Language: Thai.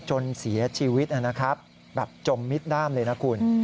จนเสียชีวิตนะครับแบบจมมิดด้ามเลยนะคุณ